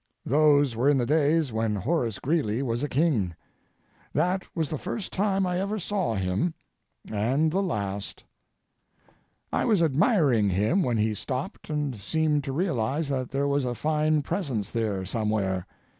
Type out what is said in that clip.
Those were in the days when Horace Greeley was a king. That was the first time I ever saw him and the last. I was admiring him when he stopped and seemed to realize that there was a fine presence there somewhere.